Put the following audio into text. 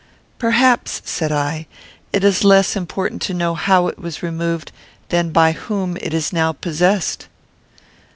"Perhaps," said I, "it is less important to know how it was removed, than by whom it is now possessed."